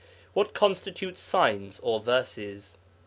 What constitutes 'signs' or verses?